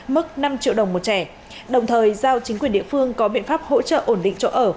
mức năm triệu đồng một trẻ đồng thời giao chính quyền địa phương có biện pháp hỗ trợ ổn định chỗ ở